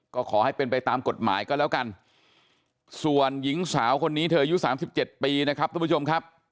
ก็ขอให้เป็นไปตามกฎหมายก็แล้วกันส่วนหญิงสาวคนนี้เธออายุ๓๗ปีนะครับทุกผู้ชมครับ